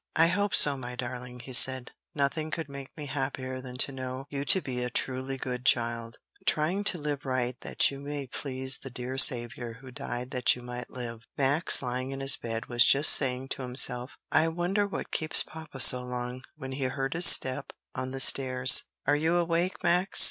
"I hope so, my darling," he said; "nothing could make me happier than to know you to be a truly good child, trying to live right that you may please the dear Saviour who died that you might live." Max, lying in his bed, was just saying to himself, "I wonder what keeps papa so long," when he heard his step on the stairs. "Are you awake, Max?"